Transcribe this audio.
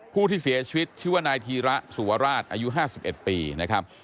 ผู้ที่เสียชีวิตชื่อว่านายธีระสุวราชอายุ๕๑ปีนะครับ